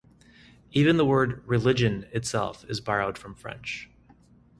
Even the word "religion" itself is borrowed from French.